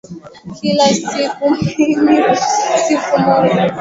Kila siku mimi husifu Mola kwa kunipatia uhai na mali.